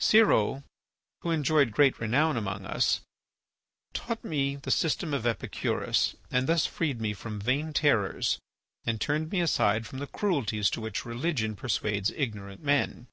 Siro, who enjoyed great renown among us, taught me the system of Epicurus and thus freed me from vain terrors and turned me aside from the cruelties to which religion persuades ignorant men.